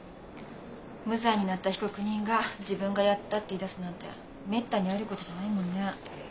無罪になった被告人が「自分がやった」って言いだすなんてめったにあることじゃないもんね。